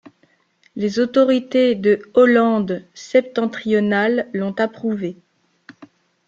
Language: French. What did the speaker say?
Les autorités de Hollande-Septentrionale l'ont approuvé.